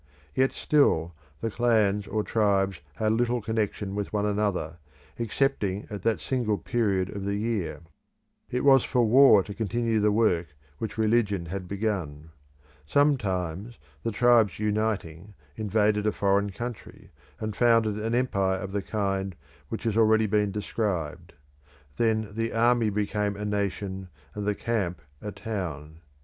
Yet still the clans or tribes had little connection with one another, excepting at that single period of the year. It was for war to continue the work which religion had begun. Some times the tribes uniting invaded a foreign country, and founded an empire of the kind which has already been described; then the army became a nation, and the camp a town.